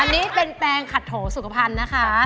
อันนี้เป็นแปลงขัดโถสุขภัณฑ์นะคะ